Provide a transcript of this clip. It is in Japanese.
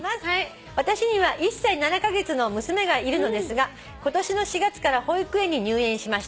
「私には１歳７カ月の娘がいるのですが今年の４月から保育園に入園しました」